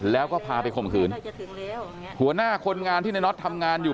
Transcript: แล้วก็พาไปข่มขืนหัวหน้าคนงานที่ในน็อตทำงานอยู่